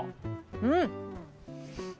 うん。